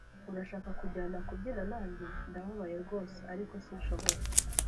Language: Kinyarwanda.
"Urashaka kujyana kubyina nanjye?" "Ndababaye rwose, ariko sinshobora."